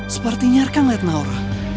sepertinya arka ngeliat naura